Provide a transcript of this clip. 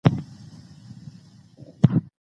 سپک خوراک خوب ښه کوي.